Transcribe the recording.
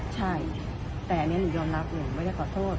ใช่แต่อันนี้หนูยอมรับหนูไม่ได้ขอโทษ